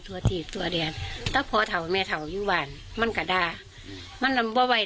แต่ที่นี่มันเกรงใจมาก